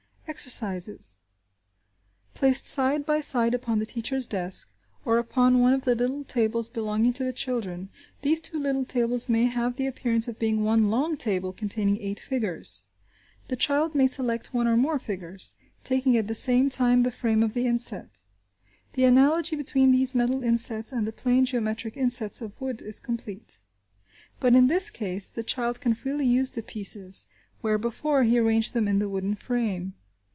Exercises. Placed side by side upon the teacher's desk, or upon one of the little tables belonging to the children, these two little tables may have the appearance of being one long table containing eight figures. The child may select one or more figures, taking at the same time the frame of the inset. The analogy between these metal insets and the plane geometric insets of wood is complete. But in this case, the child can freely use the pieces, where before, he arranged them in the wooden frame.